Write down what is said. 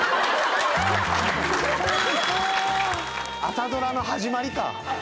朝ドラの始まりか。